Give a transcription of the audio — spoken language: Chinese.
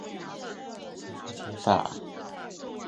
首府基法。